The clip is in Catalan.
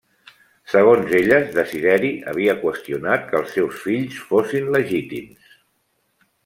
Segons elles, Desideri havia qüestionat que els seus fills fossin legítims.